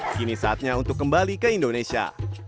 kini saatnya untuk kembali ke indonesia